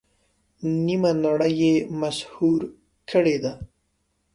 نیمه نړۍ یې مسحور کړې ده.